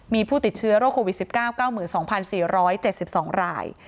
มีผู้ติดเชื้อโรคโควิดสิบเก้าเก้าหมื่นสองพันสี่ร้อยเจ็ดสิบสองราย